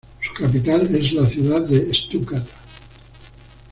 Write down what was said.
Su capital es la ciudad de Stuttgart.